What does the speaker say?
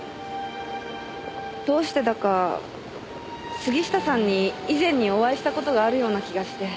どうしてだか杉下さんに以前にお会いした事があるような気がして。